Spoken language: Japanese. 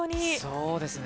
そうですね。